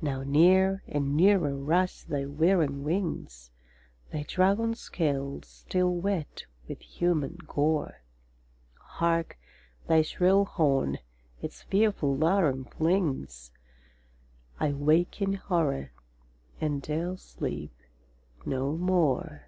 Now near and nearer rush thy whirring wings, Thy dragon scales still wet with human gore. Hark, thy shrill horn its fearful laram flings! —I wake in horror, and 'dare sleep no more!